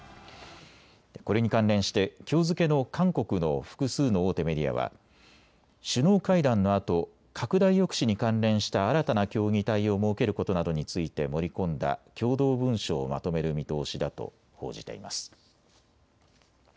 これに関連してきょう付けの韓国の複数の大手メディアは首脳会談のあと拡大抑止に関連した新たな協議体を設けることなどについて盛り込んだ共同文書をまとめる見通しだと報じています。